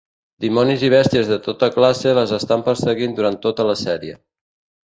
Dimonis i bèsties de tota classe les estaran perseguint durant tota la sèrie.